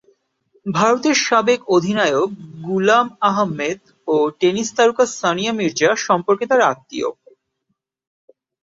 ভারতের সাবেক অধিনায়ক গুলাম আহমেদ ও টেনিস তারকা সানিয়া মির্জা সম্পর্কে তার আত্মীয়।